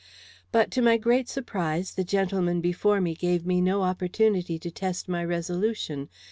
But, to my great surprise, the gentleman before me gave me no opportunity to test my resolution.